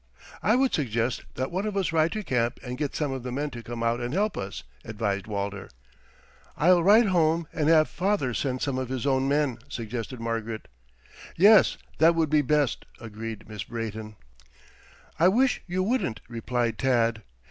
"I would suggest that one of us ride to camp and get some of the men to come out and help us," advised Walter. "I'll ride home, and have father send some of his own men," suggested Margaret. "Yes; that would be best," agreed Miss Brayton. "I wish you wouldn't," replied Tad.